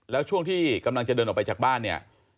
แล้วช่วงที่กำลังจะเดินออกไปจากบ้านเนี่ย